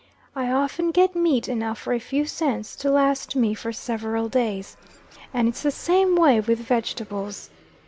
I often get meat enough for a few cents to last me for several days. And its the same way with vegetables.